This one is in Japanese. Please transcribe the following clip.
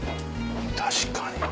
確かに。